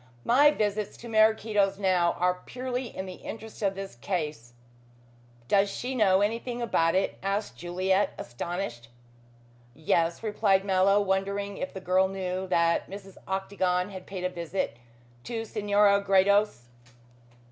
My visits to Maraquito's now are purely in the interests of this case." "Does she know anything about it?" asked Juliet, astonished. "Yes," replied Mallow, wondering if the girl knew that Mrs. Octagon had paid a visit to Senora Gredos.